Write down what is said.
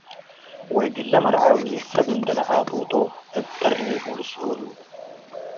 ወእግለ መርዓዊ ሰብ እንዴ ለዓጡጦ እብ ተርኔ'ሁ ልስኦሎ ።